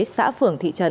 xã phưởng thị trấn